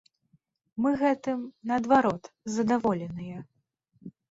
Мы гэтым, наадварот, задаволеныя.